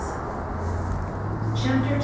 CHAPTER II.